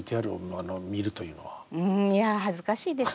うんいや恥ずかしいです